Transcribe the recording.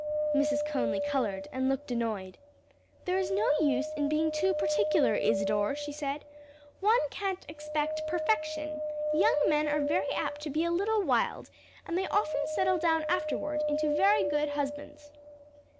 Mrs. Conly colored and looked annoyed. "There is no use in being too particular, Isadore," she said, "one can't expect perfection; young men are very apt to be a little wild, and they often settle down afterward into very good husbands."